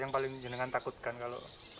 yang paling jenengan takutkan kalau